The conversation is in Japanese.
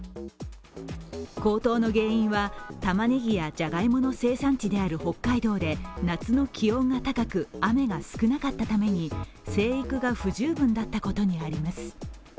高騰の原因は、たまねぎやじゃがいもの生産地である北海道で夏の気温が高く、雨が少なかったために生育が不十分だったことにあります。